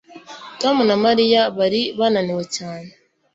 Tom na Mariya bari bananiwe cyane